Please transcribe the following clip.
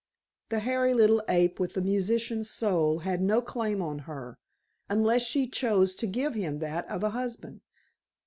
The hairy little ape with the musician's soul had no claim on her, unless she chose to give him that of a husband.